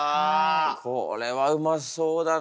これはうまそうだな。